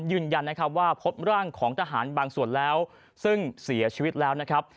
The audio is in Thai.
ยืนยันนะครับว่าพบร่างของทหารบางส่วนแล้วซึ่งเสียชีวิตแล้วนะครับ